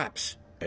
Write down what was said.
え？